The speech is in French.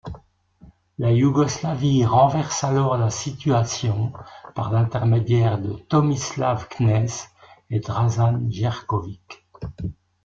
La Yougoslavie renverse alors la situation par l'intermédiaire de Tomislav Knez et Dražan Jerković.